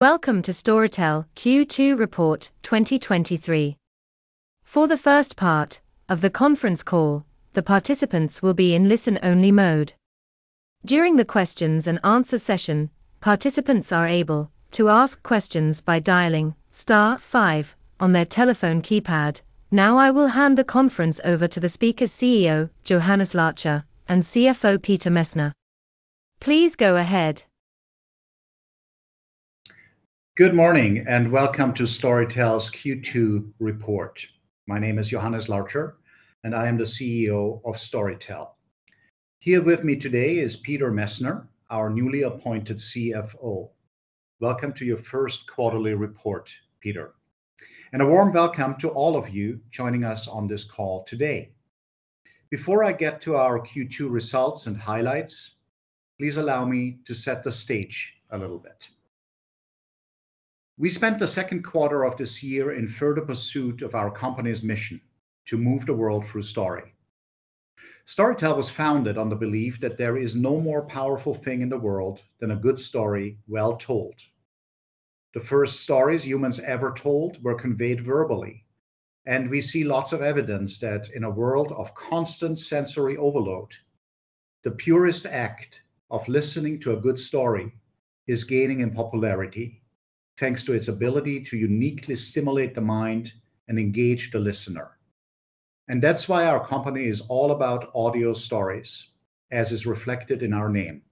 Welcome to Storytel Q2 Report 2023. For the first part of the conference call, the participants will be in listen-only mode. During the questions and answer session, participants are able to ask questions by dialing star five on their telephone keypad. I will hand the conference over to the speakers, CEO Johannes Larcher, and CFO Peter Messner. Please go ahead. Good morning, welcome to Storytel's Q2 report. My name is Johannes Larcher, I am the CEO of Storytel. Here with me today is Peter Messner, our newly appointed CFO. Welcome to your first quarterly report, Peter, a warm welcome to all of you joining us on this call today. Before I get to our Q2 results and highlights, please allow me to set the stage a little bit. We spent the second quarter of this year in further pursuit of our company's mission: to move the world through story. Storytel was founded on the belief that there is no more powerful thing in the world than a good story, well told. The first stories humans ever told were conveyed verbally, and we see lots of evidence that in a world of constant sensory overload, the purest act of listening to a good story is gaining in popularity, thanks to its ability to uniquely stimulate the mind and engage the listener. That's why our company is all about audio stories, as is reflected in our name.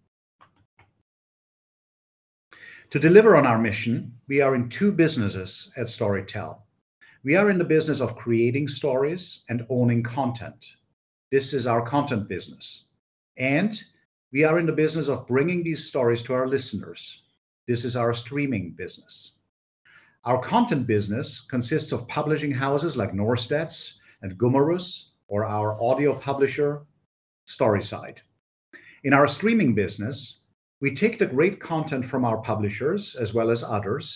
To deliver on our mission, we are in two businesses at Storytel. We are in the business of creating stories and owning content. This is our content business, and we are in the business of bringing these stories to our listeners. This is our streaming business. Our content business consists of publishing houses like Norstedts and Gummerus, or our audio publisher, Storyside. In our streaming business, we take the great content from our publishers, as well as others,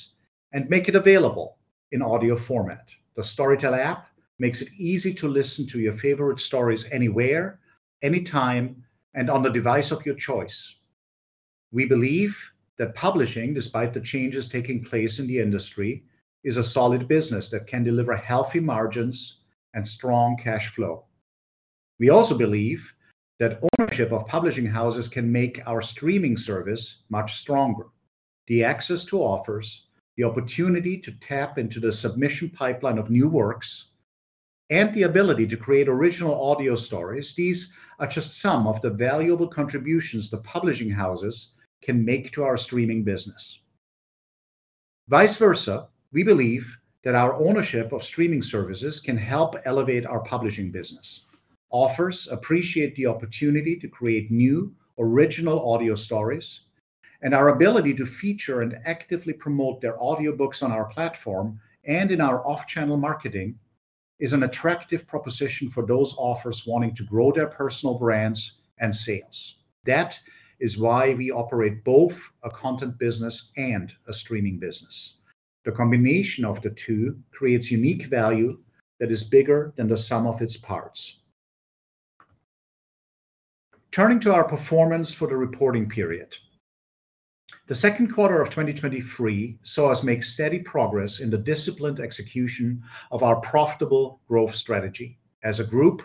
and make it available in audio format. The Storytel app makes it easy to listen to your favorite stories anywhere, anytime, and on the device of your choice. We believe that publishing, despite the changes taking place in the industry, is a solid business that can deliver healthy margins and strong cash flow. We also believe that ownership of publishing houses can make our streaming service much stronger. The access to offers, the opportunity to tap into the submission pipeline of new works, and the ability to create original audio stories, these are just some of the valuable contributions the publishing houses can make to our streaming business. Vice versa, we believe that our ownership of streaming services can help elevate our publishing business. Authors appreciate the opportunity to create new, original audio stories, and our ability to feature and actively promote their audiobooks on our platform and in our off-channel marketing, is an attractive proposition for those authors wanting to grow their personal brands and sales. That is why we operate both a content business and a streaming business. The combination of the two creates unique value that is bigger than the sum of its parts. Turning to our performance for the reporting period. The second quarter of 2023 saw us make steady progress in the disciplined execution of our profitable growth strategy. As a group,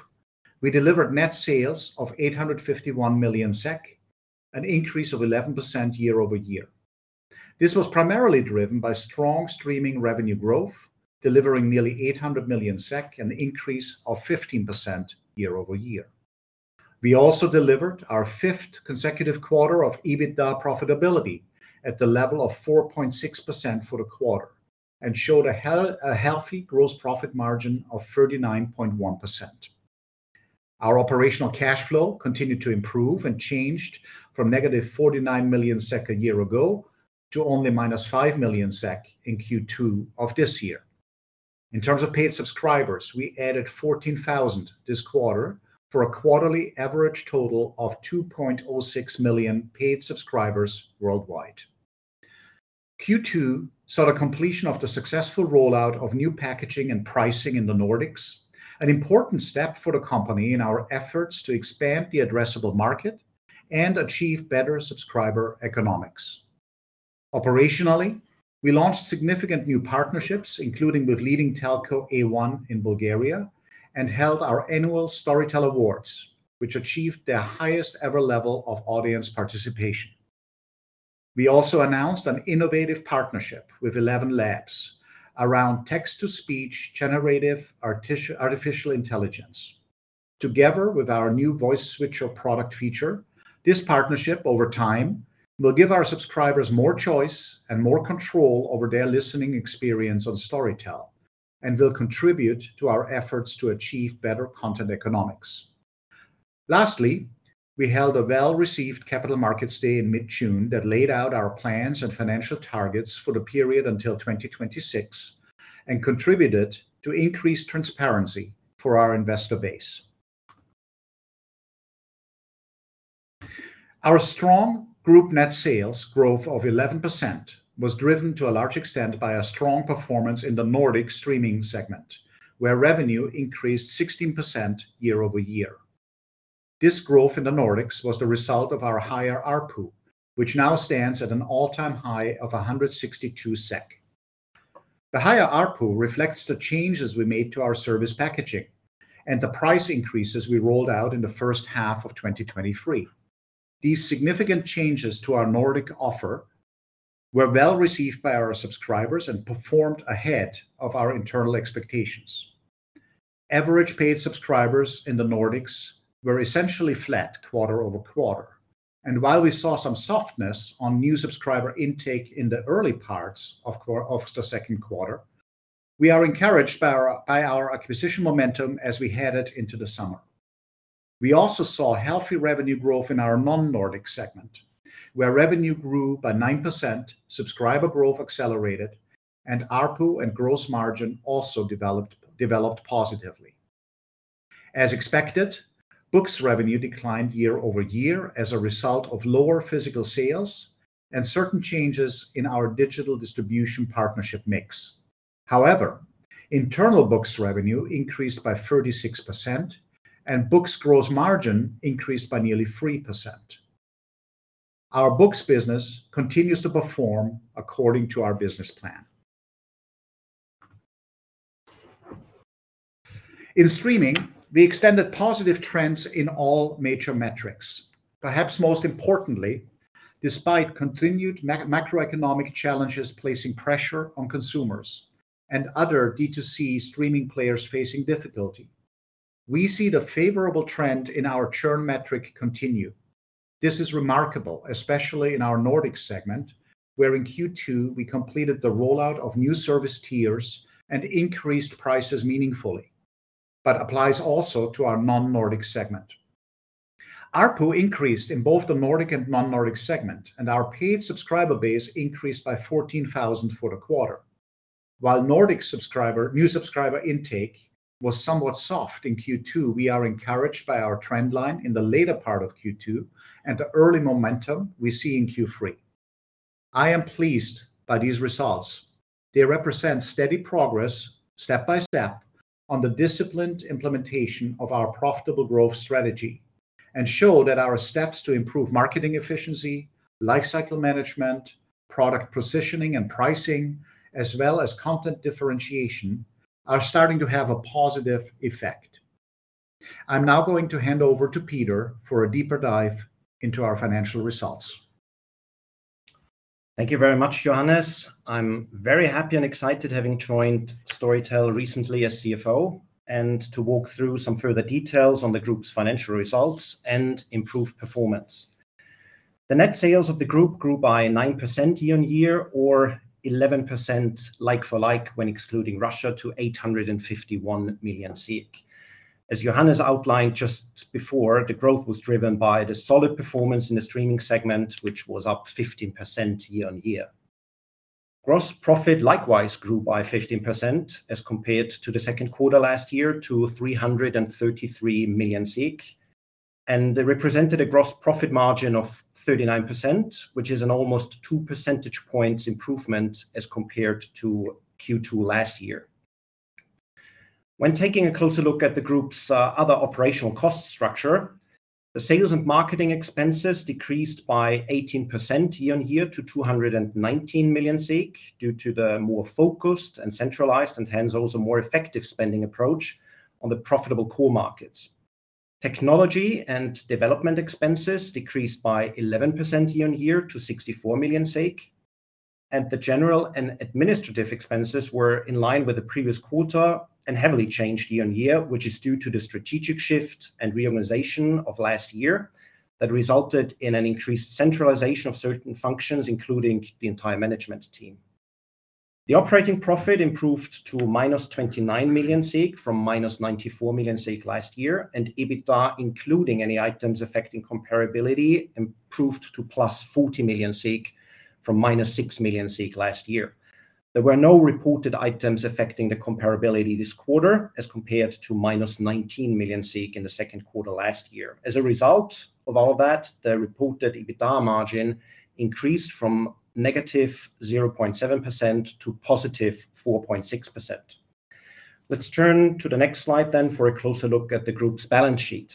we delivered net sales of 851 million SEK, an increase of 11% year-over-year. This was primarily driven by strong streaming revenue growth, delivering nearly 800 million SEK, an increase of 15% year-over-year. We also delivered our fifth consecutive quarter of EBITDA profitability at the level of 4.6% for the quarter, and showed a healthy gross profit margin of 39.1%. Our operational cash flow continued to improve and changed from -49 million SEK a year ago to only -5 million SEK in Q2 of this year. In terms of paid subscribers, we added 14,000 this quarter, for a quarterly average total of 2.06 million paid subscribers worldwide. Q2 saw the completion of the successful rollout of new packaging and pricing in the Nordics, an important step for the company in our efforts to expand the addressable market and achieve better subscriber economics. Operationally, we launched significant new partnerships, including with leading telco A1 in Bulgaria, and held our annual Storytel Awards, which achieved their highest ever level of audience participation. We also announced an innovative partnership with ElevenLabs around text-to-speech generative artificial intelligence. Together with our new Voice Switcher product feature, this partnership, over time, will give our subscribers more choice and more control over their listening experience on Storytel and will contribute to our efforts to achieve better content economics. Lastly, we held a well-received Capital Markets Day in mid-June that laid out our plans and financial targets for the period until 2026 and contributed to increased transparency for our investor base. Our strong group net sales growth of 11% was driven to a large extent by a strong performance in the Nordic streaming segment, where revenue increased 16% year-over-year. This growth in the Nordics was the result of our higher ARPU, which now stands at an all-time high of 162 SEK. The higher ARPU reflects the changes we made to our service packaging and the price increases we rolled out in the first half of 2023. These significant changes to our Nordic offer were well received by our subscribers and performed ahead of our internal expectations. Average paid subscribers in the Nordics were essentially flat quarter-over-quarter, and while we saw some softness on new subscriber intake in the early parts of the second quarter, we are encouraged by our acquisition momentum as we headed into the summer. We also saw healthy revenue growth in our non-Nordic segment, where revenue grew by 9%, subscriber growth accelerated, and ARPU and gross margin also developed positively. As expected, books revenue declined year-over-year as a result of lower physical sales and certain changes in our digital distribution partnership mix. Internal books revenue increased by 36% and books gross margin increased by nearly 3%. Our books business continues to perform according to our business plan. In streaming, we extended positive trends in all major metrics. Perhaps most importantly, despite continued macroeconomic challenges placing pressure on consumers and other D2C streaming players facing difficulty, we see the favorable trend in our churn metric continue. This is remarkable, especially in our Nordic segment, where in Q2, we completed the rollout of new service tiers and increased prices meaningfully, applies also to our non-Nordic segment. ARPU increased in both the Nordic and non-Nordic segment, our paid subscriber base increased by 14,000 for the quarter. While Nordic subscriber, new subscriber intake was somewhat soft in Q2, we are encouraged by our trend line in the later part of Q2 and the early momentum we see in Q3. I am pleased by these results. They represent steady progress, step by step, on the disciplined implementation of our profitable growth strategy, and show that our steps to improve marketing efficiency, life cycle management, product positioning and pricing, as well as content differentiation, are starting to have a positive effect. I'm now going to hand over to Peter for a deeper dive into our financial results. Thank you very much, Johannes. I'm very happy and excited having joined Storytel recently as CFO, and to walk through some further details on the group's financial results and improved performance. The net sales of the group grew by 9% year-on-year or 11% like for like, when excluding Russia, to 851 million. As Johannes outlined just before, the growth was driven by the solid performance in the streaming segment, which was up 15% year-on-year. Gross profit likewise grew by 15% as compared to the second quarter last year, to 333 million, and they represented a gross profit margin of 39%, which is an almost two percentage points improvement as compared to Q2 last year. When taking a closer look at the group's other operational cost structure, the sales and marketing expenses decreased by 18% year-on-year to 219 million, due to the more focused and centralized, and hence, also more effective spending approach on the profitable core markets. Technology and development expenses decreased by 11% year-on-year to 64 million. The general and administrative expenses were in line with the previous quarter and heavily changed year-on-year, which is due to the strategic shift and reorganization of last year that resulted in an increased centralization of certain functions, including the entire management team. The operating profit improved to -29 million, SEK from -94 million last year. EBITDA, including any items affecting comparability, improved to +40 million, from -6 million last year. There were no reported items affecting the comparability this quarter, as compared to minus 19 million in the second quarter last year. As a result of all that, the reported EBITDA margin increased from negative 0.7% to positive 4.6%. Let's turn to the next slide then for a closer look at the group's balance sheet.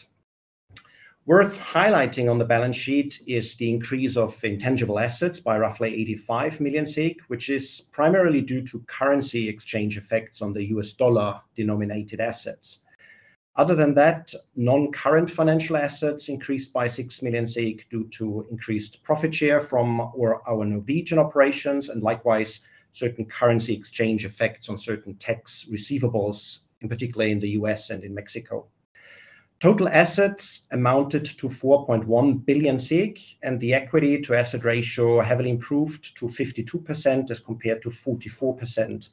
Worth highlighting on the balance sheet is the increase of intangible assets by roughly 85 million, which is primarily due to currency exchange effects on the US dollar-denominated assets. Other than that, non-current financial assets increased by 6 million due to increased profit share from our, our Norwegian operations, and likewise, certain currency exchange effects on certain tax receivables, in particular in the U.S. and in Mexico. Total assets amounted to 4.1 billion, and the equity to asset ratio heavily improved to 52% as compared to 44%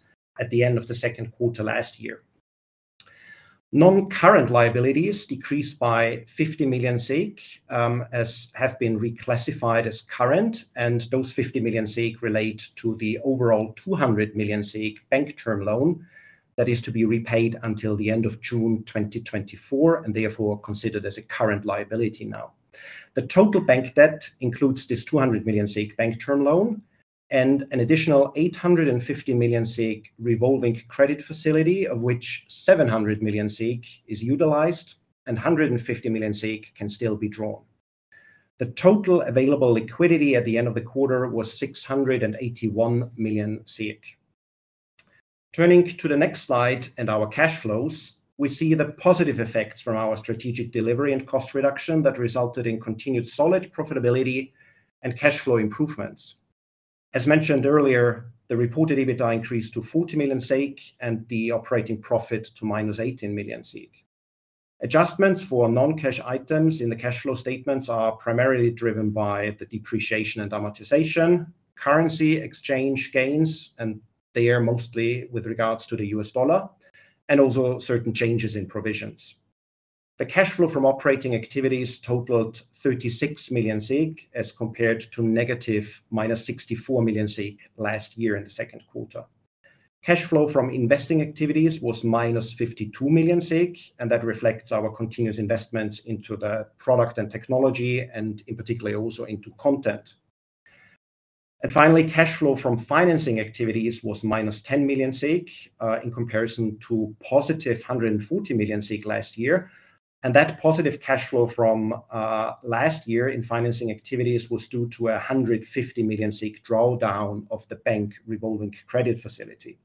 at the end of the second quarter last year. Non-current liabilities decreased by 50 million, as have been reclassified as current, and those 50 million relate to the overall 200 million bank term loan that is to be repaid until the end of June 2024, and therefore considered as a current liability now. The total bank debt includes this 200 million bank term loan and an additional 850 million revolving credit facility, of which 700 million is utilized and 150 million can still be drawn. The total available liquidity at the end of the quarter was 681 million. Turning to the next slide and our cash flows, we see the positive effects from our strategic delivery and cost reduction that resulted in continued solid profitability and cash flow improvements. As mentioned earlier, the reported EBITDA increased to 40 million and the operating profit to minus 18 million. Adjustments for non-cash items in the cash flow statements are primarily driven by the depreciation and amortization, currency exchange gains, and they are mostly with regards to the US dollar, and also certain changes in provisions. The cash flow from operating activities totaled 36 million, as compared to -64 million last year in the second quarter. Cash flow from investing activities was -52 million, and that reflects our continuous investments into the product and technology, and in particular, also into content. Finally, cash flow from financing activities was -10 million in comparison to +140 million last year. That positive cash flow from last year in financing activities was due to a 150 million drawdown of the bank revolving credit facility.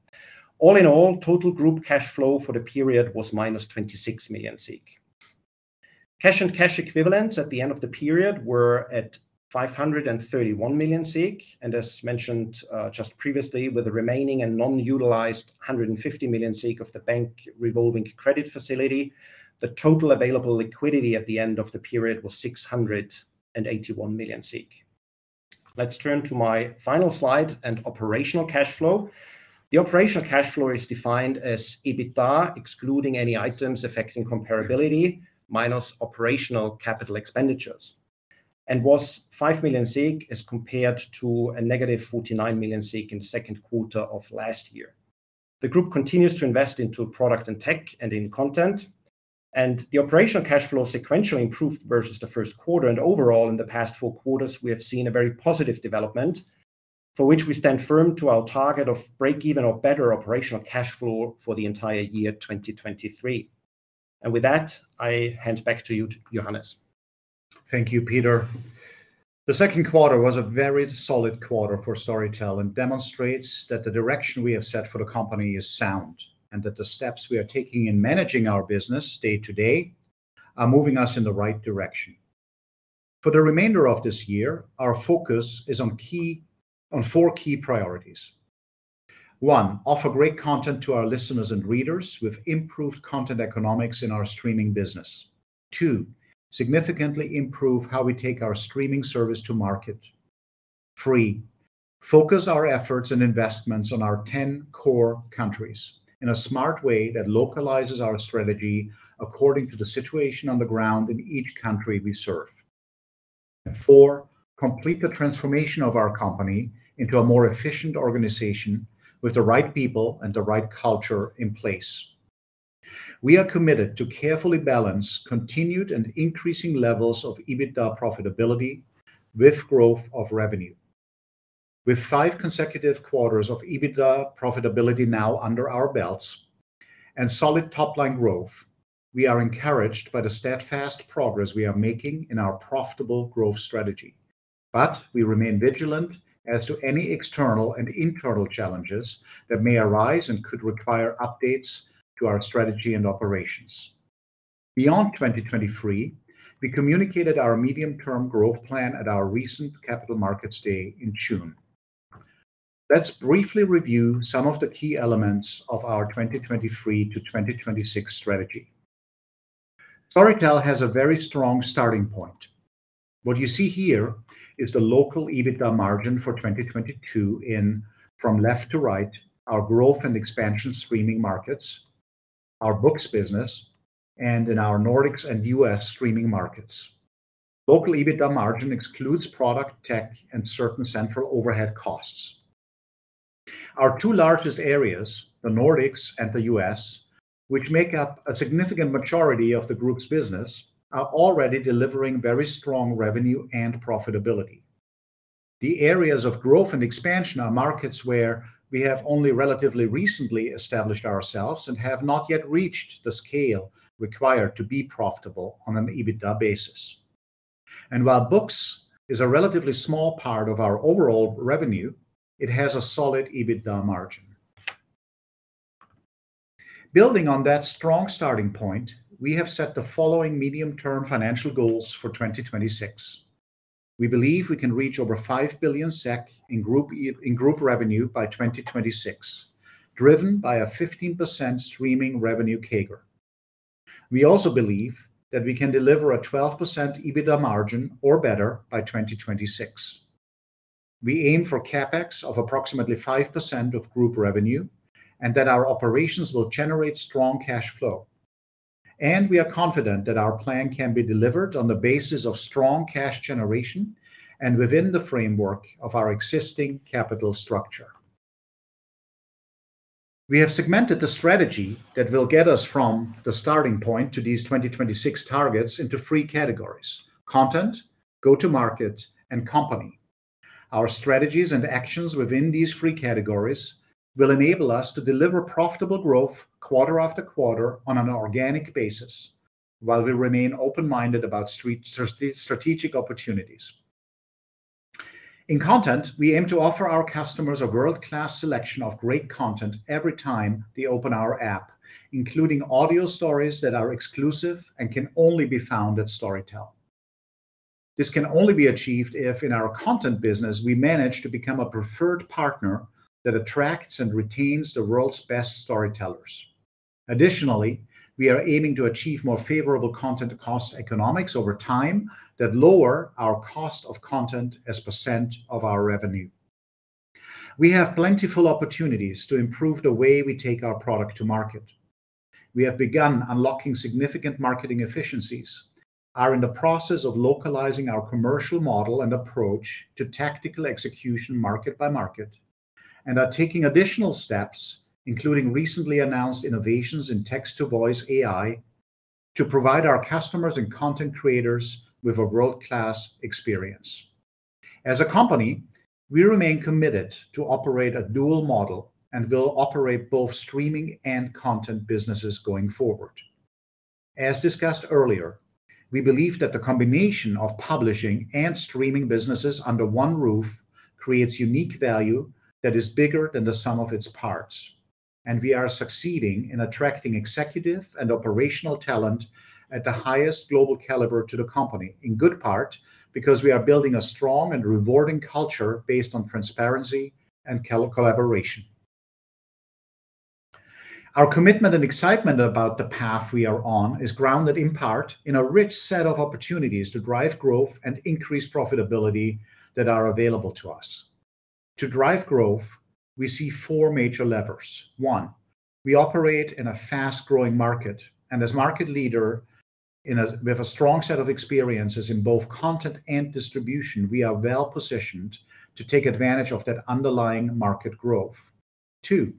All in all, total group cash flow for the period was -26 million. Cash and cash equivalents at the end of the period were at 531 million, and as mentioned just previously, with the remaining and non-utilized 150 million of the bank revolving credit facility, the total available liquidity at the end of the period was 681 million. Let's turn to my final slide and operational cash flow. The operational cash flow is defined as EBITDA, excluding any items affecting comparability, minus operational capital expenditures, and was 5 million, as compared to a -49 million in second quarter of last year. The group continues to invest into product and tech and in content, and the operational cash flow sequentially improved versus the first quarter. Overall, in the past four quarters, we have seen a very positive development for which we stand firm to our target of break-even or better operational cash flow for the entire year, 2023. With that, I hand back to you, Johannes. Thank you, Peter. The second quarter was a very solid quarter for Storytel and demonstrates that the direction we have set for the company is sound, and that the steps we are taking in managing our business day to day are moving us in the right direction. For the remainder of this year, our focus is on four key priorities: One, offer great content to our listeners and readers with improved content economics in our streaming business. Two, significantly improve how we take our streaming service to market. Three, focus our efforts and investments on our 10 core countries in a smart way that localizes our strategy according to the situation on the ground in each country we serve. Four, complete the transformation of our company into a more efficient organization with the right people and the right culture in place. We are committed to carefully balance continued and increasing levels of EBITDA profitability with growth of revenue. With five consecutive quarters of EBITDA profitability now under our belts and solid top-line growth, we are encouraged by the steadfast progress we are making in our profitable growth strategy. We remain vigilant as to any external and internal challenges that may arise and could require updates to our strategy and operations. Beyond 2023, we communicated our medium-term growth plan at our recent Capital Markets Day in June. Let's briefly review some of the key elements of our 2023-2026 strategy. Storytel has a very strong starting point. What you see here is the local EBITDA margin for 2022 in, from left to right, our growth and expansion streaming markets, our books business, and in our Nordics and U.S. streaming markets. Local EBITDA margin excludes product, tech, and certain central overhead costs. Our two largest areas, the Nordics and the U.S., which make up a significant majority of the group's business, are already delivering very strong revenue and profitability. The areas of growth and expansion are markets where we have only relatively recently established ourselves and have not yet reached the scale required to be profitable on an EBITDA basis. While books is a relatively small part of our overall revenue, it has a solid EBITDA margin. Building on that strong starting point, we have set the following medium-term financial goals for 2026. We believe we can reach over 5 billion SEK in group, in group revenue by 2026, driven by a 15% streaming revenue CAGR. We also believe that we can deliver a 12% EBITDA margin or better by 2026. We aim for CapEx of approximately 5% of group revenue, and that our operations will generate strong cash flow. We are confident that our plan can be delivered on the basis of strong cash generation and within the framework of our existing capital structure. We have segmented the strategy that will get us from the starting point to these 2026 targets into three categories: content, go-to-market, and company. Our strategies and actions within these three categories will enable us to deliver profitable growth quarter after quarter on an organic basis, while we remain open-minded about strategic opportunities. In content, we aim to offer our customers a world-class selection of great content every time they open our app, including audio stories that are exclusive and can only be found at Storytel. This can only be achieved if, in our content business, we manage to become a preferred partner that attracts and retains the world's best storytellers. Additionally, we are aiming to achieve more favorable content cost economics over time that lower our cost of content as a percent of our revenue. We have plentiful opportunities to improve the way we take our product to market. We have begun unlocking significant marketing efficiencies, are in the process of localizing our commercial model and approach to tactical execution market by market, and are taking additional steps, including recently announced innovations in text-to-voice AI, to provide our customers and content creators with a world-class experience. As a company, we remain committed to operate a dual model and will operate both streaming and content businesses going forward. As discussed earlier, we believe that the combination of publishing and streaming businesses under one roof creates unique value that is bigger than the sum of its parts, and we are succeeding in attracting executive and operational talent at the highest global caliber to the company, in good part, because we are building a strong and rewarding culture based on transparency and collaboration. Our commitment and excitement about the path we are on is grounded in part in a rich set of opportunities to drive growth and increase profitability that are available to us. To drive growth, we see four major levers. One, we operate in a fast-growing market, and as market leader with a strong set of experiences in both content and distribution, we are well positioned to take advantage of that underlying market growth. Two,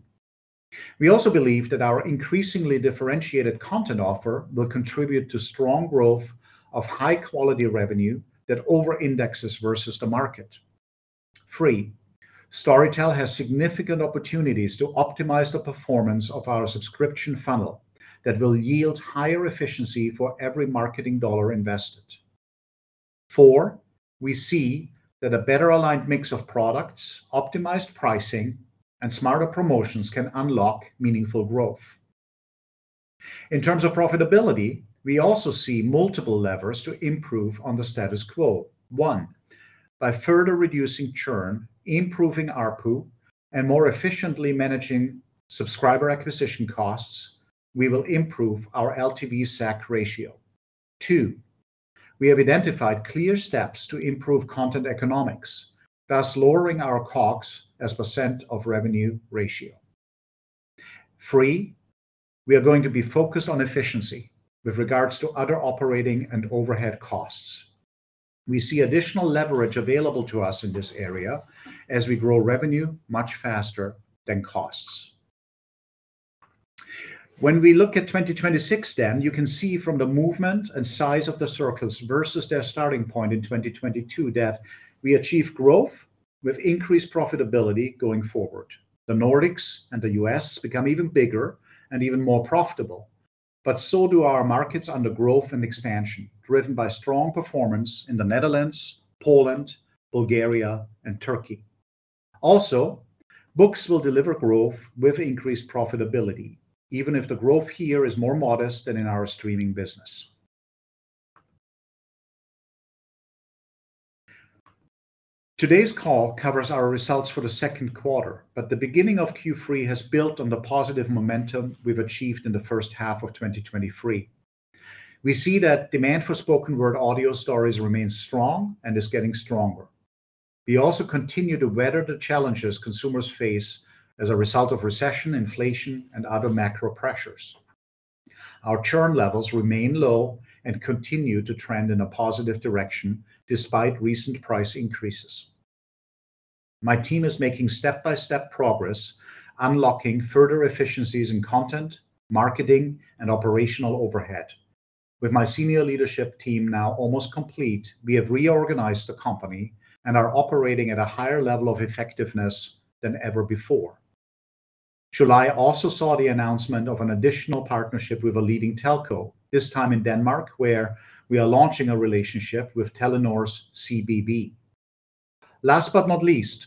we also believe that our increasingly differentiated content offer will contribute to strong growth of high-quality revenue that overindexes versus the market. Three, Storytel has significant opportunities to optimize the performance of our subscription funnel that will yield higher efficiency for every marketing SEK invested. Four, we see that a better-aligned mix of products, optimized pricing, and smarter promotions can unlock meaningful growth. In terms of profitability, we also see multiple levers to improve on the status quo. One, by further reducing churn, improving ARPU, and more efficiently managing subscriber acquisition costs, we will improve our LTV/SAC ratio. Two, we have identified clear steps to improve content economics, thus lowering our COGS as a % of revenue ratio. Three, we are going to be focused on efficiency with regards to other operating and overhead costs. We see additional leverage available to us in this area as we grow revenue much faster than costs. We look at 2026, then, you can see from the movement and size of the circles versus their starting point in 2022, that we achieve growth with increased profitability going forward. The Nordics and the U.S. become even bigger and even more profitable, so do our markets under growth and expansion, driven by strong performance in the Netherlands, Poland, Bulgaria, and Turkey. Books will deliver growth with increased profitability, even if the growth here is more modest than in our streaming business. Today's call covers our results for the second quarter, the beginning of Q3 has built on the positive momentum we've achieved in the first half of 2023. We see that demand for spoken word audio stories remains strong and is getting stronger. We also continue to weather the challenges consumers face as a result of recession, inflation, and other macro pressures. Our churn levels remain low and continue to trend in a positive direction despite recent price increases. My team is making step-by-step progress, unlocking further efficiencies in content, marketing, and operational overhead. With my senior leadership team now almost complete, we have reorganized the company and are operating at a higher level of effectiveness than ever before. July also saw the announcement of an additional partnership with a leading telco, this time in Denmark, where we are launching a relationship with Telenor's CBB. Last but not least,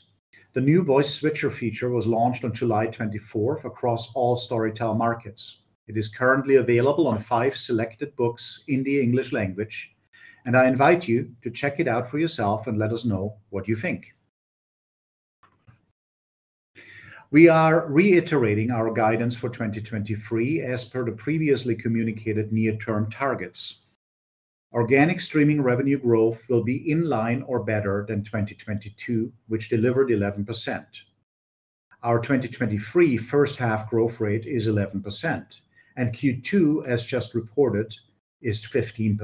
the new Voice Switcher feature was launched on July 24th across all Storytel markets. It is currently available on five selected books in the English language, and I invite you to check it out for yourself and let us know what you think. We are reiterating our guidance for 2023 as per the previously communicated near-term targets. Organic streaming revenue growth will be in line or better than 2022, which delivered 11%. Our 2023 first half growth rate is 11%, and Q2, as just reported, is 15%.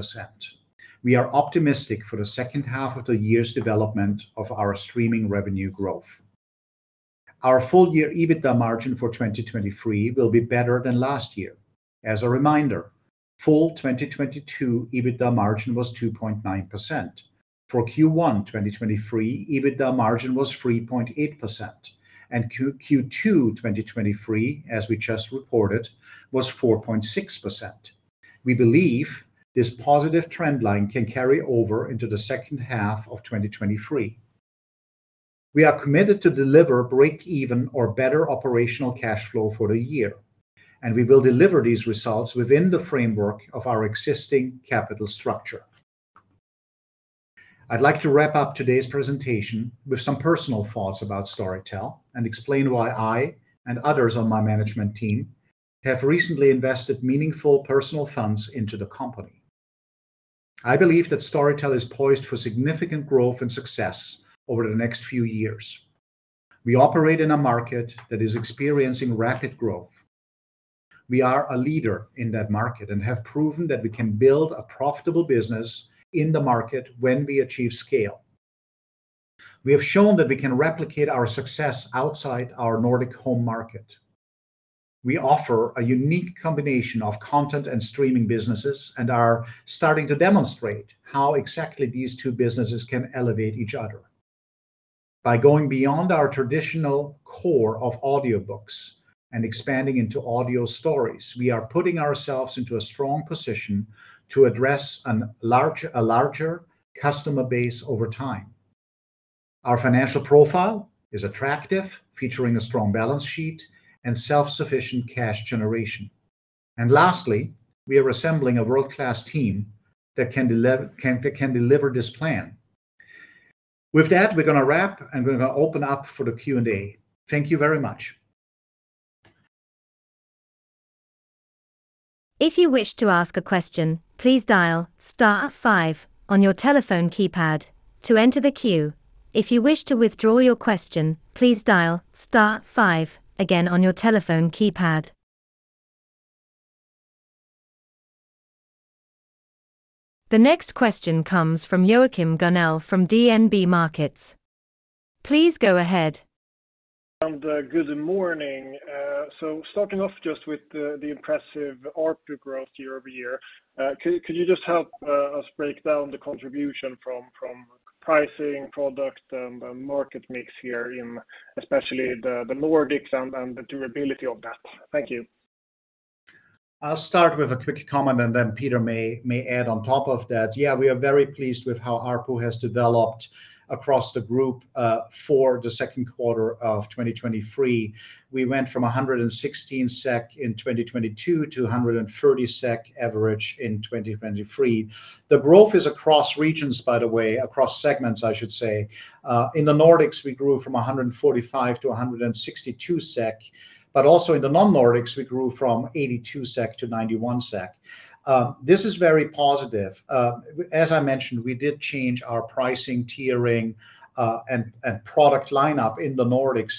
We are optimistic for the second half of the year's development of our streaming revenue growth. Our full year EBITDA margin for 2023 will be better than last year. As a reminder, full 2022 EBITDA margin was 2.9%. For Q1 2023, EBITDA margin was 3.8%, and Q2 2023, as we just reported, was 4.6%. We believe this positive trend line can carry over into the second half of 2023. We are committed to deliver break-even or better operational cash flow for the year, and we will deliver these results within the framework of our existing capital structure. I'd like to wrap up today's presentation with some personal thoughts about Storytel and explain why I and others on my management team have recently invested meaningful personal funds into the company. I believe that Storytel is poised for significant growth and success over the next few years. We operate in a market that is experiencing rapid growth. We are a leader in that market and have proven that we can build a profitable business in the market when we achieve scale. We have shown that we can replicate our success outside our Nordic home market. We offer a unique combination of content and streaming businesses and are starting to demonstrate how exactly these two businesses can elevate each other. By going beyond our traditional core of audiobooks and expanding into audio stories, we are putting ourselves into a strong position to address a larger customer base over time. Our financial profile is attractive, featuring a strong balance sheet and self-sufficient cash generation. Lastly, we are assembling a world-class team that can deliver this plan. With that, we're gonna wrap and we're gonna open up for the Q&A. Thank you very much. If you wish to ask a question, please dial star five on your telephone keypad to enter the queue. If you wish to withdraw your question, please dial star five again on your telephone keypad. The next question comes from Joachim Gunell from DNB Markets. Please go ahead. Good morning. Starting off just with the, the impressive ARPU growth year-over-year, could, could you just help, us break down the contribution from, from pricing, product, and, and market mix here in especially the, the Nordics and, and the durability of that? Thank you. I'll start with a quick comment, and then Peter may, may add on top of that. Yeah, we are very pleased with how ARPU has developed across the group, for the second quarter of 2023. We went from 116 SEK in 2022 to 130 SEK average in 2023. The growth is across regions, by the way, across segments, I should say. In the Nordics, we grew from 145-162 SEK, but also in the non-Nordics, we grew from 82-91 SEK. This is very positive. As I mentioned, we did change our pricing tiering, and product lineup in the Nordics,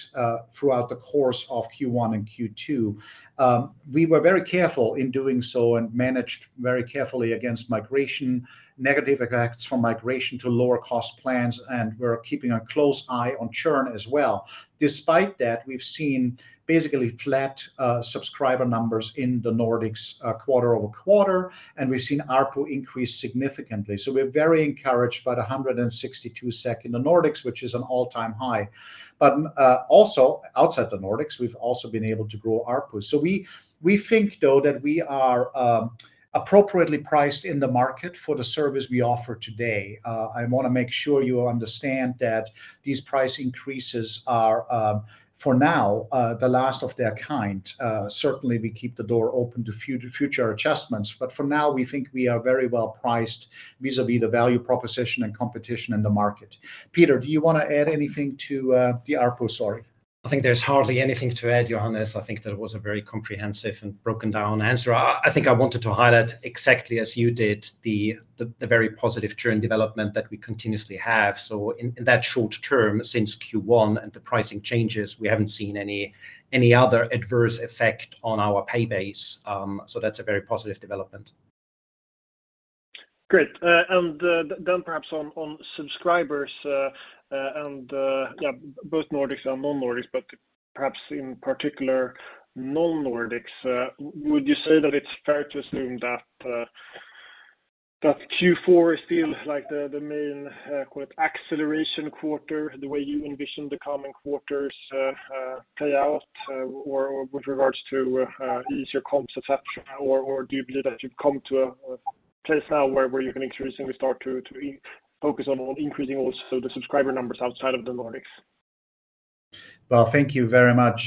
throughout the course of Q1 and Q2. We were very careful in doing so and managed very carefully against migration, negative effects from migration to lower-cost plans, and we're keeping a close eye on churn as well. Despite that, we've seen basically flat subscriber numbers in the Nordics quarter-over-quarter, and we've seen ARPU increase significantly. We're very encouraged by the 162 SEK in the Nordics, which is an all-time high. Also outside the Nordics, we've also been able to grow ARPU. We, we think, though, that we are appropriately priced in the market for the service we offer today. I want to make sure you understand that these price increases are for now the last of their kind. Certainly, we keep the door open to future adjustments, but for now, we think we are very well priced vis-à-vis the value proposition and competition in the market. Peter, do you want to add anything to the ARPU? Sorry. I think there's hardly anything to add, Johannes. I think that was a very comprehensive and broken-down answer. I think I wanted to highlight exactly as you did, the very positive churn development that we continuously have. In that short term, since Q1 and the pricing changes, we haven't seen any, any other adverse effect on our pay base. That's a very positive development. Great. Then perhaps on, on subscribers, and, yeah, both Nordics and non-Nordics, but perhaps in particular, non-Nordics. Would you say that it's fair to assume that Q4 is still, like, the main acceleration quarter, the way you envision the coming quarters play out, or with regards to easier comps attachment? Or do you believe that you've come to a place now where you can increasingly start to focus on increasing also the subscriber numbers outside of the Nordics? Well, thank you very much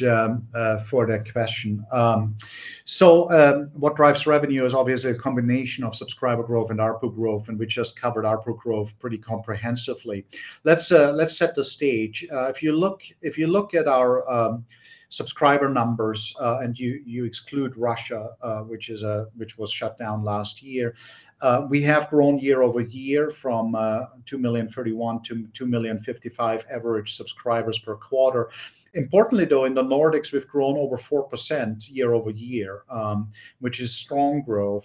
for that question. What drives revenue is obviously a combination of subscriber growth and ARPU growth, and we just covered ARPU growth pretty comprehensively. Let's set the stage. If you look, if you look at our subscriber numbers, and you, you exclude Russia, which is, which was shut down last year, we have grown year-over-year from 2,031,000-2,055,000 average subscribers per quarter. Importantly, though, in the Nordics, we've grown over 4% year-over-year, which is strong growth.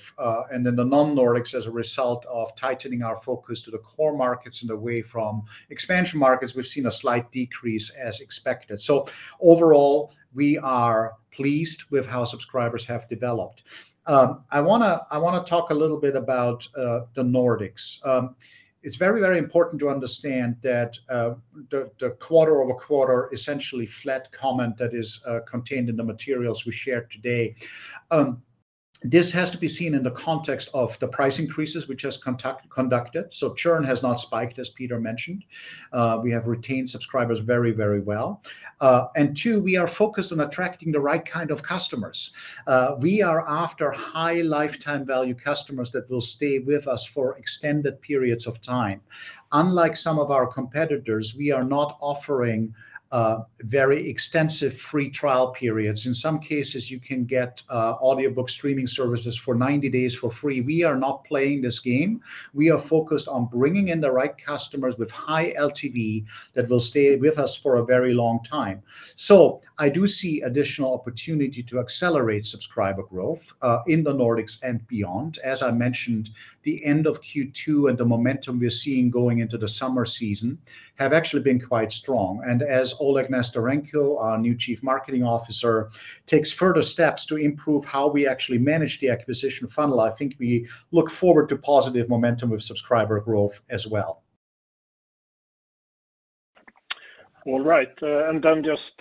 And then the non-Nordics, as a result of tightening our focus to the core markets and away from expansion markets, we've seen a slight decrease as expected. Overall, we are pleased with how subscribers have developed. I wanna talk a little bit about the Nordics. It's very, very important to understand that the quarter-over-quarter essentially flat comment that is contained in the materials we shared today. This has to be seen in the context of the price increases we just conducted, so churn has not spiked, as Peter mentioned. We have retained subscribers very, very well. Two, we are focused on attracting the right kind of customers. We are after high LTV customers that will stay with us for extended periods of time. Unlike some of our competitors, we are not offering very extensive free trial periods. In some cases, you can get audiobook streaming services for 90 days for free. We are not playing this game. We are focused on bringing in the right customers with high LTV that will stay with us for a very long time. I do see additional opportunity to accelerate subscriber growth in the Nordics and beyond. As I mentioned, the end of Q2 and the momentum we are seeing going into the summer season have actually been quite strong. As Oleh Nesterenko, our new Chief Marketing Officer, takes further steps to improve how we actually manage the acquisition funnel, I think we look forward to positive momentum of subscriber growth as well. All right, and then just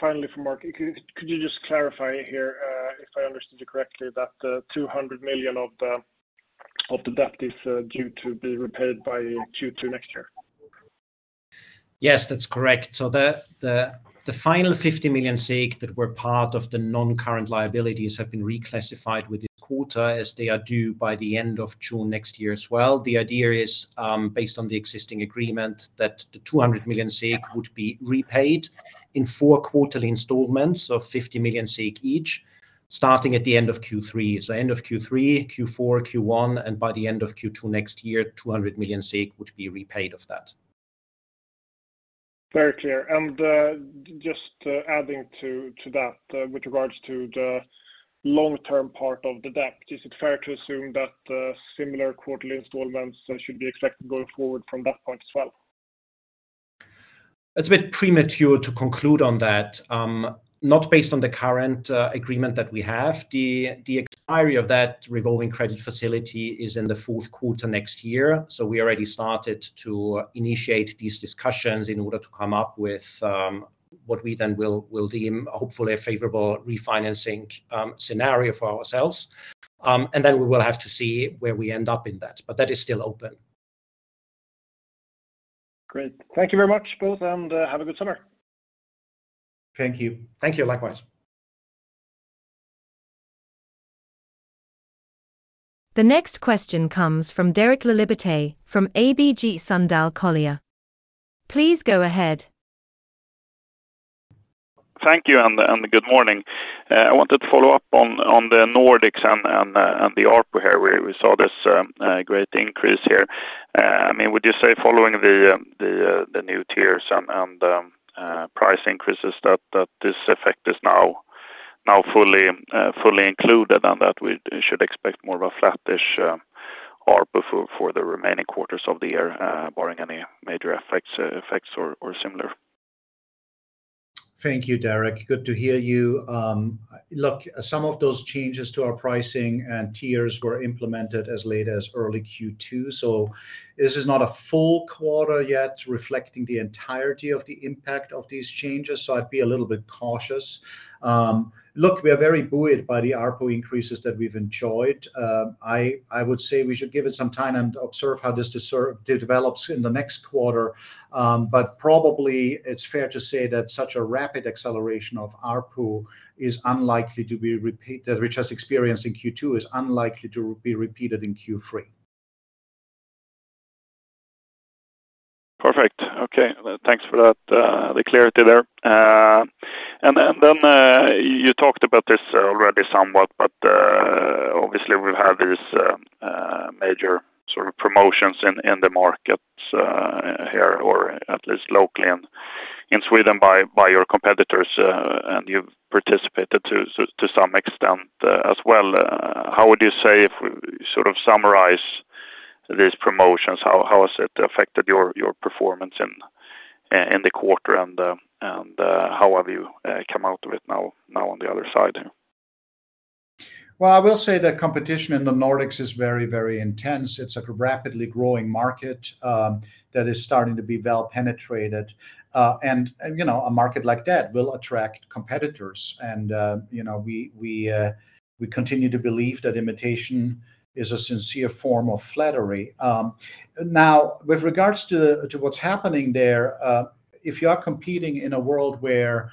finally for Mark, could you just clarify here, if I understood you correctly, that 200 million of the of the debt is due to be repaid by Q2 next year? Yes, that's correct. The final 50 million that were part of the non-current liabilities have been reclassified with this quarter, as they are due by the end of June next year as well. The idea is, based on the existing agreement, that the 200 million would be repaid in four quarterly installments of 50 million each, starting at the end of Q3. End of Q3, Q4, Q1, and by the end of Q2 next year, 200 million would be repaid of that. Very clear. Just adding to, to that, with regards to the long-term part of the debt, is it fair to assume that similar quarterly installments should be expected going forward from that point as well? It's a bit premature to conclude on that. Not based on the current agreement that we have. The expiry of that revolving credit facility is in the fourth quarter next year. We already started to initiate these discussions in order to come up with, what we then will, will deem a hopefully a favorable refinancing scenario for ourselves. Then we will have to see where we end up in that, but that is still open. Great. Thank you very much, both, and have a good summer. Thank you. Thank you, likewise. The next question comes from Derek Laliberté, from ABG Sundal Collier. Please go ahead. Thank you, and, and good morning. I wanted to follow up on, on the Nordics and, and, and the ARPU here, where we saw this, great increase here. I mean, would you say following the, the, the new tiers and, and, price increases that, that this effect is now, now fully, fully included, and that we should expect more of a flattish ARPU for, for the remaining quarters of the year, barring any major effects, effects or, or similar? Thank you, Derek. Good to hear you. look, some of those changes to our pricing and tiers were implemented as late as early Q2, so this is not a full quarter yet reflecting the entirety of the impact of these changes, so I'd be a little bit cautious. look, we are very buoyed by the ARPU increases that we've enjoyed. I, I would say we should give it some time and observe how this develops in the next quarter. Probably it's fair to say that such a rapid acceleration of ARPU is unlikely to be repeated, which has experienced in Q2, is unlikely to be repeated in Q3. Perfect. Okay, thanks for that, the clarity there. Then, then, you talked about this already somewhat, but, obviously we've had this, major sort of promotions in, in the markets, here, or at least locally in, Sweden, by, by your competitors, and you've participated to, to some extent, as well. How would you say if we sort of summarize these promotions, how, how has it affected your, your performance in, in the quarter, and, and, how have you, come out of it now, now on the other side? Well, I will say that competition in the Nordics is very, very intense. It's a rapidly growing market, that is starting to be well penetrated. You know, a market like that will attract competitors. You know, we, we, we continue to believe that imitation is a sincere form of flattery. Now, with regards to, to what's happening there, if you are competing in a world where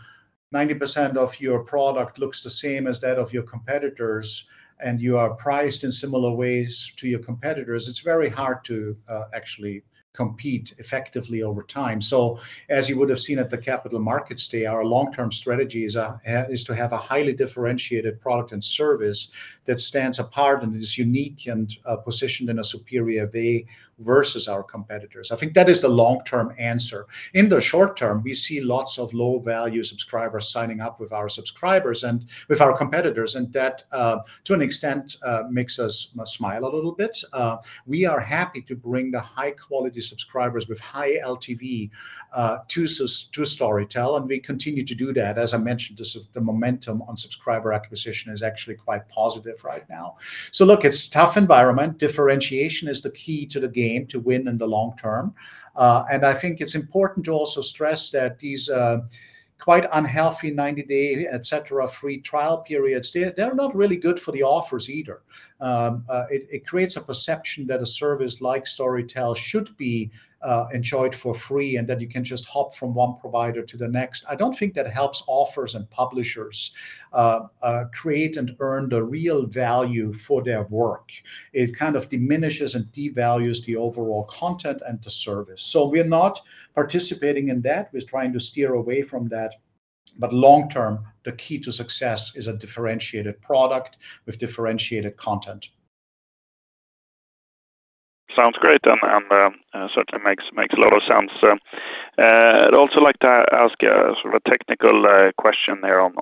90% of your product looks the same as that of your competitors, and you are priced in similar ways to your competitors, it's very hard to actually compete effectively over time. As you would have seen at the Capital Markets Day, our long-term strategy is, is to have a highly differentiated product and service that stands apart and is unique and, positioned in a superior way versus our competitors. I think that is the long-term answer. In the short term, we see lots of low-value subscribers signing up with our subscribers and with our competitors, and that, to an extent, makes us smile a little bit. We are happy to bring the high-quality subscribers with high LTV to Storytel, and we continue to do that. As I mentioned, this is the momentum on subscriber acquisition is actually quite positive right now. Look, it's a tough environment. Differentiation is the key to the game to win in the long term. And I think it's important to also stress that these quite unhealthy 90-day, et cetera, free trial periods. They, they're not really good for the authors either. It creates a perception that a service like Storytel should be enjoyed for free, and that you can just hop from one provider to the next. I don't think that helps authors and publishers create and earn the real value for their work. It kind of diminishes and devalues the overall content and the service. We are not participating in that. We're trying to steer away from that, but long term, the key to success is a differentiated product with differentiated content. Sounds great, and certainly makes, makes a lot of sense. I'd also like to ask a sort of a technical question here on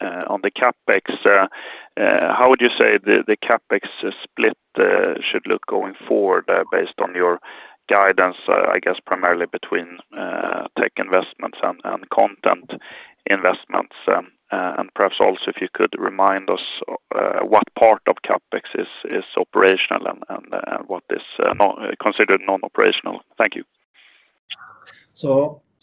the CapEx. How would you say the CapEx split should look going forward, based on your guidance, I guess primarily between tech investments and content investments? Perhaps also, if you could remind us what part of CapEx is operational and what is non- considered non-operational? Thank you.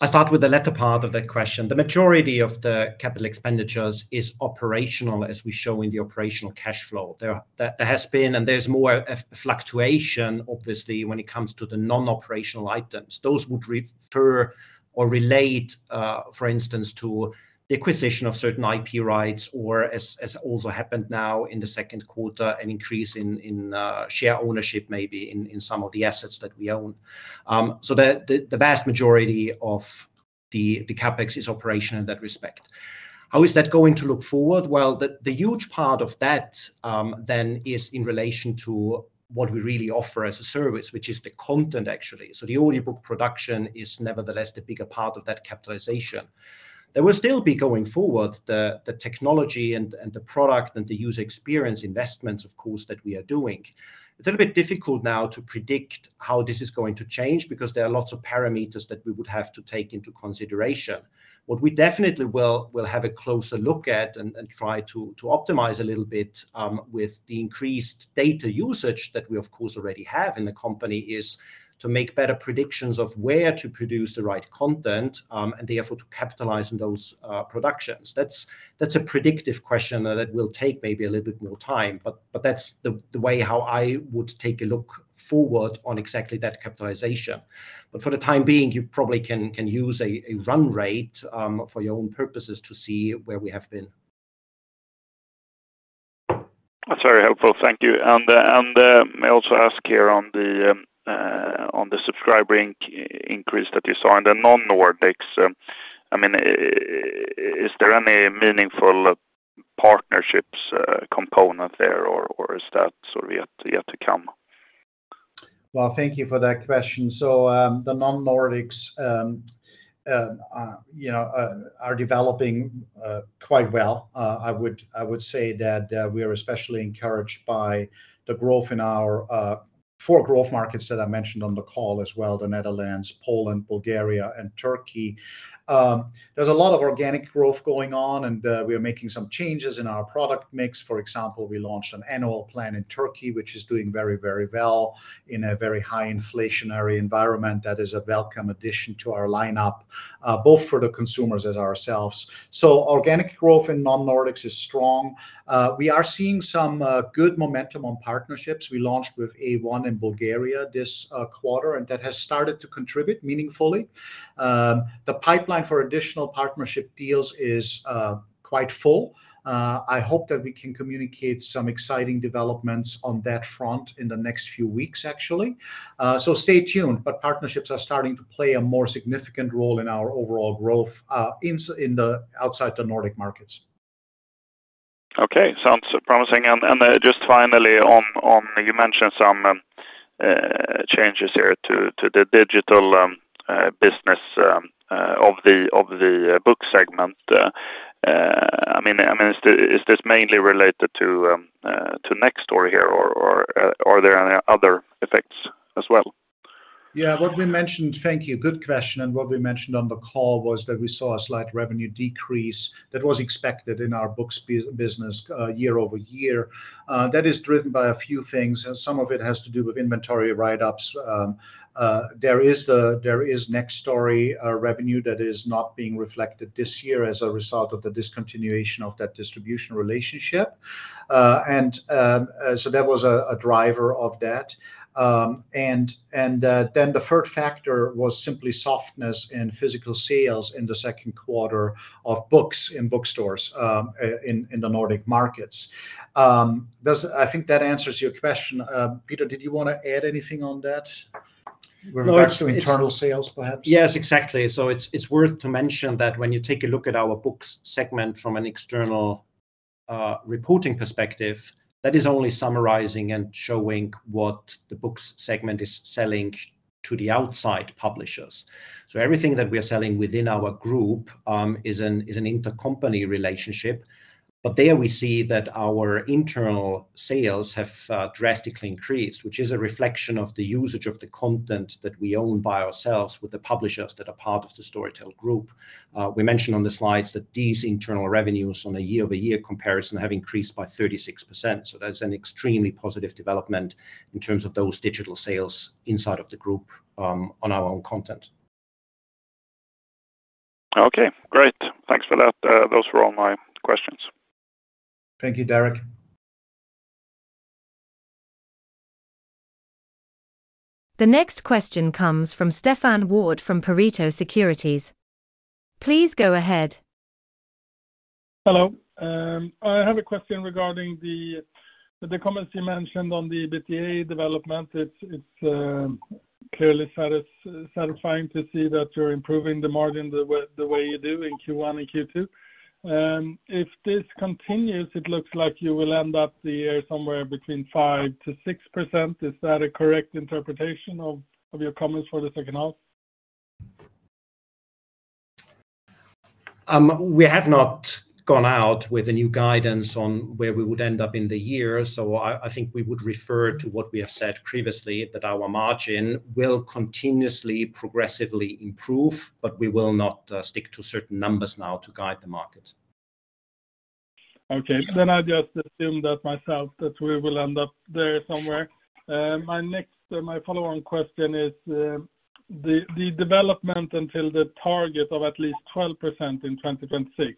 I'll start with the latter part of that question. The majority of the capital expenditures is operational, as we show in the operational cash flow. There, there has been, and there's more a fluctuation, obviously, when it comes to the non-operational items. Those would refer or relate, for instance, to the acquisition of certain IP rights, or as also happened now in the second quarter, an increase in share ownership, maybe in some of the assets that we own. The vast majority of the CapEx is operational in that respect. How is that going to look forward? The huge part of that then is in relation to what we really offer as a service, which is the content, actually. The audiobook production is nevertheless the bigger part of that capitalization. There will still be, going forward, the, the technology and, and the product and the user experience investments, of course, that we are doing. It's a little bit difficult now to predict how this is going to change because there are lots of parameters that we would have to take into consideration. What we definitely will, will have a closer look at and, and try to, to optimize a little bit with the increased data usage that we of course already have in the company, is to make better predictions of where to produce the right content and therefore to capitalize on those productions. That's, that's a predictive question that will take maybe a little bit more time, but, but that's the, the way how I would take a look forward on exactly that capitalization. For the time being, you probably can, can use a, a run rate, for your own purposes to see where we have been. That's very helpful. Thank you. May I also ask here on the subscriber increase that you saw in the non-Nordics, I mean, is there any meaningful partnerships component there, or is that sort of yet to come? Well, thank you for that question. The non-Nordics are, you know, are developing quite well. I would, I would say that we are especially encouraged by the growth in our four growth markets that I mentioned on the call as well, the Netherlands, Poland, Bulgaria, and Turkey. There's a lot of organic growth going on, and we are making some changes in our product mix. For example, we launched an annual plan in Turkey, which is doing very, very well in a very high inflationary environment. That is a welcome addition to our lineup, both for the consumers as ourselves. Organic growth in non-Nordics is strong. We are seeing some good momentum on partnerships. We launched with A1 in Bulgaria this quarter, and that has started to contribute meaningfully. The pipeline for additional partnership deals is quite full. I hope that we can communicate some exciting developments on that front in the next few weeks, actually. Stay tuned, but partnerships are starting to play a more significant role in our overall growth in the outside the Nordic markets. Okay, sounds promising. Just finally on you mentioned some changes here to the digital business of the book segment. I mean, is this mainly related to Nextory here, or are there any other effects as well? Yeah, what we mentioned. Thank you. Good question. What we mentioned on the call was that we saw a slight revenue decrease that was expected in our books business year-over-year. That is driven by a few things, and some of it has to do with inventory write-ups. There is the, there is Nextory revenue that is not being reflected this year as a result of the discontinuation of that distribution relationship. That was a driver of that. The third factor was simply softness in physical sales in the second quarter of books in bookstores in the Nordic markets. I think that answers your question. Peter, did you want to add anything on that? No. With regards to internal sales, perhaps? Yes, exactly. It's, it's worth to mention that when you take a look at our books segment from an external reporting perspective, that is only summarizing and showing what the books segment is selling to the outside publishers. Everything that we are selling within our group is an, is an intercompany relationship, but there we see that our internal sales have drastically increased, which is a reflection of the usage of the content that we own by ourselves with the publishers that are part of the Storytel Group. We mentioned on the slides that these internal revenues on a year-over-year comparison have increased by 36%, so that's an extremely positive development in terms of those digital sales inside of the group on our own content. Okay, great. Thanks for that. Those were all my questions. Thank you, Derek. The next question comes from Stefan Wård, from Pareto Securities. Please go ahead. Hello. I have a question regarding the comments you mentioned on the EBITDA development. It's clearly satisfying to see that you're improving the margin the way you do in Q1 and Q2. If this continues, it looks like you will end up the year somewhere between 5%-6%. Is that a correct interpretation of your comments for the 1/2? We have not gone out with a new guidance on where we would end up in the year. I, I think we would refer to what we have said previously, that our margin will continuously, progressively improve. We will not stick to certain numbers now to guide the market. Okay. I just assume that myself, that we will end up there somewhere. My next, my follow-on question is, the development until the target of at least 12% in 2026.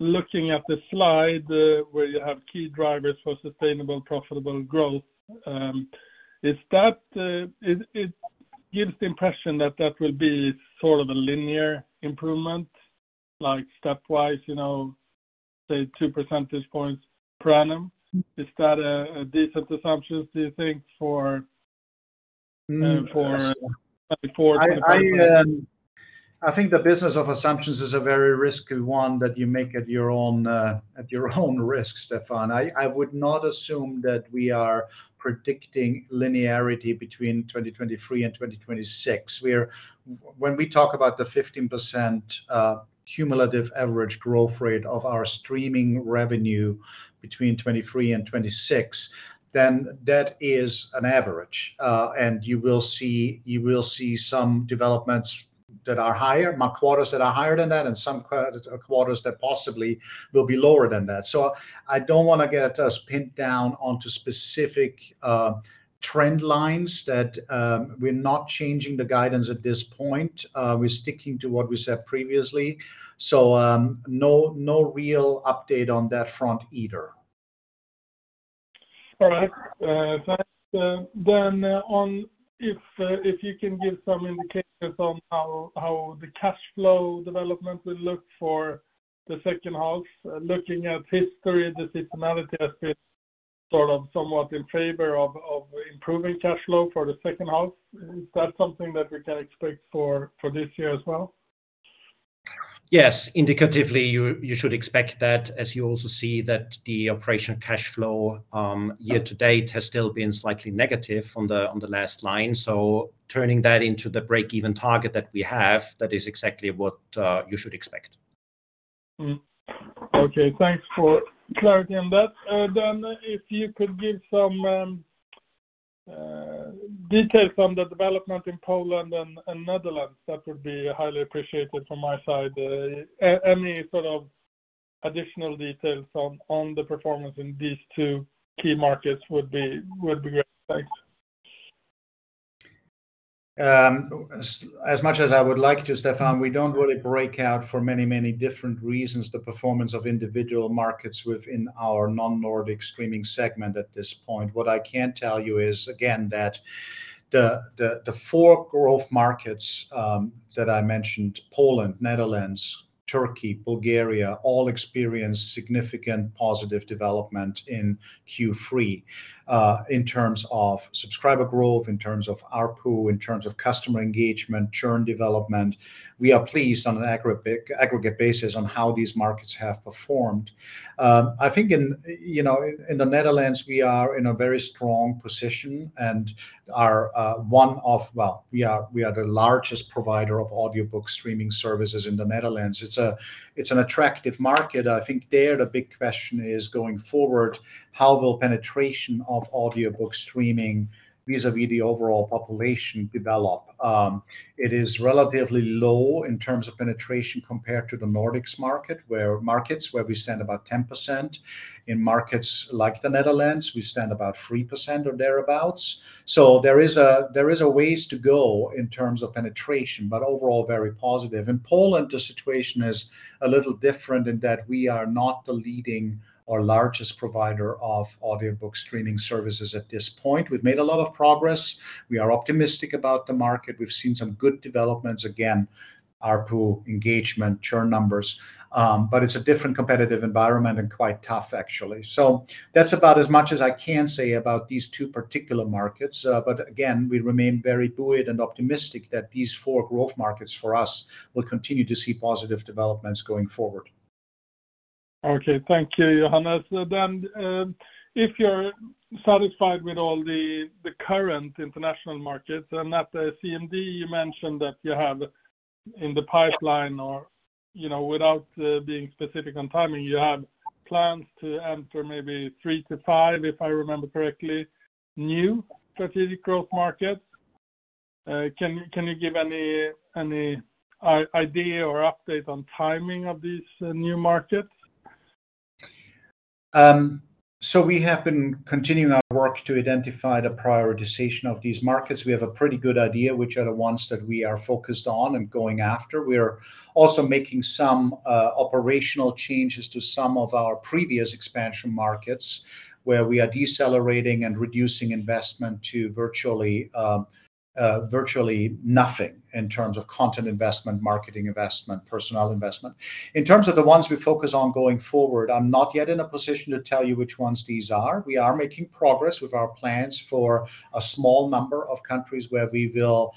Looking at the slide, where you have key drivers for sustainable, profitable growth, is that... It gives the impression that that will be sort of a linear improvement, like stepwise, you know, say two percentage points per annum. Is that a decent assumption, do you think, for? Mm. Uh, for 24-20? I, I, I think the business of assumptions is a very risky one that you make at your own, at your own risk, Stefan. I, I would not assume that we are predicting linearity between 2023 and 2026. When we talk about the 15% cumulative average growth rate of our streaming revenue between 2023 and 2026, that is an average. You will see, you will see some developments that are higher, more quarters that are higher than that, and some quarters that possibly will be lower than that. I don't wanna get us pinned down onto specific trend lines that we're not changing the guidance at this point. We're sticking to what we said previously. No, no real update on that front either. All right. Thanks. On if, if you can give some indicators on how, how the cash flow development will look for the second half. Looking at history, the seasonality has been sort of somewhat in favor of, of improving cash flow for the second half. Is that something that we can expect for, for this year as well? Yes, indicatively, you should expect that as you also see that the operational cash flow year to date has still been slightly negative on the last line. Turning that into the break-even target that we have, that is exactly what you should expect. Mm-hmm. Okay, thanks for clarity on that. If you could give some details on the development in Poland and, and Netherlands, that would be highly appreciated from my side. Any sort of additional details on, on the performance in these two key markets would be, would be great. Thanks. As, as much as I would like to, Stefan, we don't really break out for many, many different reasons, the performance of individual markets within our non-Nordic streaming segment at this point. What I can tell you is, again, that the, the, the four growth markets that I mentioned, Poland, Netherlands, Turkey, Bulgaria, all experienced significant positive development in Q3 in terms of subscriber growth, in terms of ARPU, in terms of customer engagement, churn development. We are pleased on an aggregate, aggregate basis on how these markets have performed. I think in, you know, in, in the Netherlands, we are in a very strong position and are one of... Well, we are, we are the largest provider of audiobook streaming services in the Netherlands. It's a, it's an attractive market. I think there, the big question is, going forward, how will penetration of audiobook streaming vis-a-vis the overall population develop? It is relatively low in terms of penetration compared to the Nordics market, where markets, where we stand about 10%. In markets like the Netherlands, we stand about 3% or thereabouts. There is a, there is a ways to go in terms of penetration, but overall, very positive. In Poland, the situation is a little different in that we are not the leading or largest provider of audiobook streaming services at this point. We've made a lot of progress. We are optimistic about the market. We've seen some good developments, again, ARPU, engagement, churn numbers, but it's a different competitive environment and quite tough, actually. That's about as much as I can say about these two particular markets, but again, we remain very buoyed and optimistic that these four growth markets for us will continue to see positive developments going forward. Thank you, Johannes. If you're satisfied with all the, the current international markets and at the CMD, you mentioned that you have in the pipeline or, you know, without being specific on timing, you have plans to enter maybe 3-5, if I remember correctly, new strategic growth markets. Can you give any idea or update on timing of these new markets? We have been continuing our work to identify the prioritization of these markets. We have a pretty good idea which are the ones that we are focused on and going after. We are also making some operational changes to some of our previous expansion markets, where we are decelerating and reducing investment to virtually, virtually nothing in terms of content investment, marketing investment, personnel investment. In terms of the ones we focus on going forward, I'm not yet in a position to tell you which ones these are. We are making progress with our plans for a small number of countries, where we will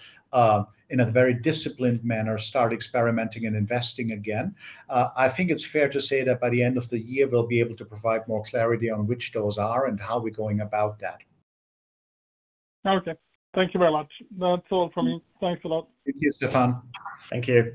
in a very disciplined manner, start experimenting and investing again. I think it's fair to say that by the end of the year, we'll be able to provide more clarity on which those are and how we're going about that. Okay. Thank you very much. That's all from me. Thanks a lot. Thank you, Stefan. Thank you.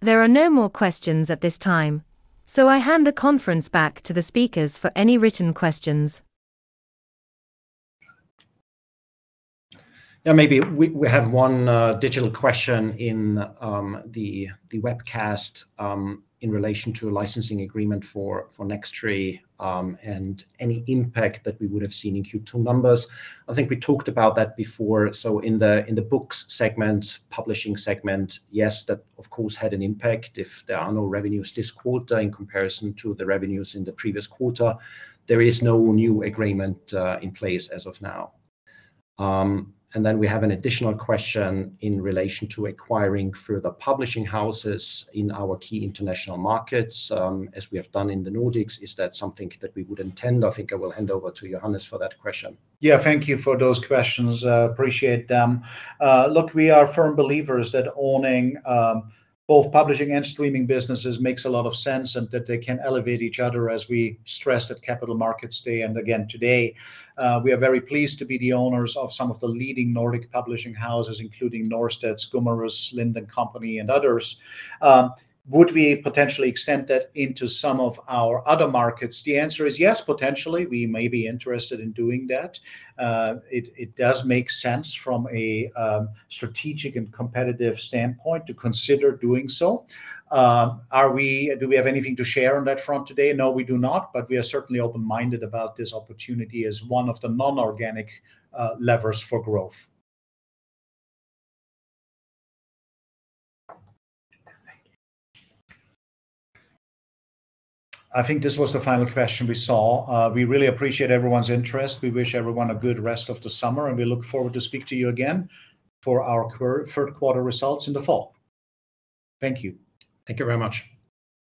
There are no more questions at this time. I hand the conference back to the speakers for any written questions. Yeah, maybe we, we have one digital question in the webcast in relation to a licensing agreement for Nextory, and any impact that we would have seen in Q2 numbers. I think we talked about that before. In the books segment, publishing segment, yes, that of course had an impact. If there are no revenues this quarter in comparison to the revenues in the previous quarter, there is no new agreement in place as of now. Then we have an additional question in relation to acquiring further publishing houses in our key international markets, as we have done in the Nordics. Is that something that we would intend? I think I will hand over to Johannes for that question. Yeah, thank you for those questions. Appreciate them. Look, we are firm believers that owning, both publishing and streaming businesses makes a lot of sense, and that they can elevate each other, as we stressed at Capital Markets Day and again today. We are very pleased to be the owners of some of the leading Nordic publishing houses, including Norstedts, Gummerus, Lind & Co, and others. Would we potentially extend that into some of our other markets? The answer is yes, potentially, we may be interested in doing that. It, it does make sense from a strategic and competitive standpoint to consider doing so. Do we have anything to share on that front today? No, we do not, but we are certainly open-minded about this opportunity as one of the non-organic, levers for growth. I think this was the final question we saw. We really appreciate everyone's interest. We wish everyone a good rest of the summer, and we look forward to speak to you again for our third quarter results in the fall. Thank you. Thank you very much.